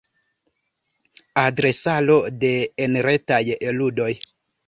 Adresaro de enretaj ludoj.